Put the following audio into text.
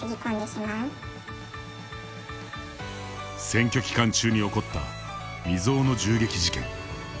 選挙期間中に起こった未曽有の銃撃事件。